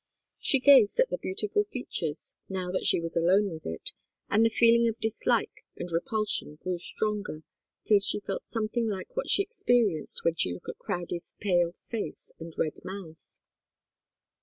She gazed at the beautiful features, now that she was alone with it, and the feeling of dislike and repulsion grew stronger, till she felt something like what she experienced when she looked at Crowdie's pale face and red mouth.